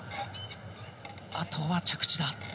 あとは着地だ。